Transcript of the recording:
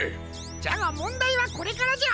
じゃがもんだいはこれからじゃ。